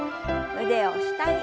腕を下に。